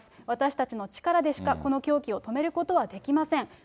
私たちの力でしか、この狂気を止めることはできません。